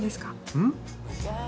うん？